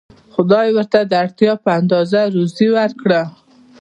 خدای ورته د اړتیا په اندازه روزي ورکړه.